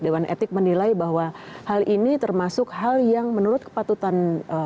dewan etik menilai bahwa hal ini termasuk hal yang menurut kepatutan